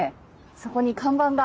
そこに看板が。